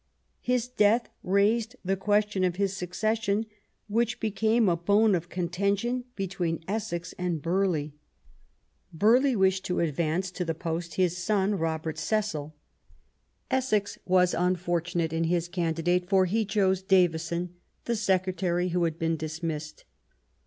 His death raised the question of his succession, which became a bone of contention between Essex and Burghley. Burghley wished to advance to the post his son, Robert Cecil ; Essex was unfortunate in his candidate for he chose Davison, the secretary who had been dismissed.